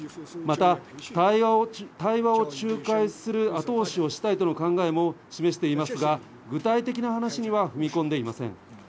また対話を仲介する後押しをしたいとの考えも示していますが、具体的な話には踏み込んでいません。